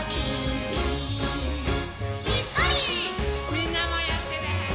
みんなもやってね。